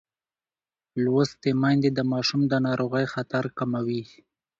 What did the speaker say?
لوستې میندې د ماشوم د ناروغۍ خطر کموي.